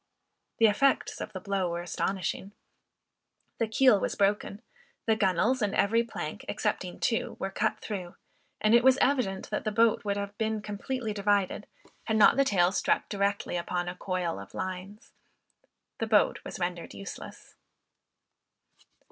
The effects of the blow were astonishing. The keel was broken, the gunwales, and every plank, excepting two, were cut through, and it was evident that the boat would have been completely divided, had not the tail struck directly upon a coil of lines. The boat was rendered useless.